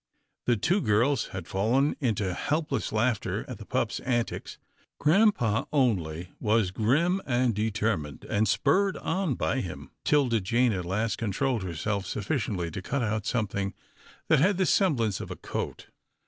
The two girls had fallen into helpless laughter at the pup's antics. Grampa, only, was grim and deter mined, and, spurred on by him, 'Tilda Jane at last controlled herself sufficiently to cut out something that had the semblance of a coat.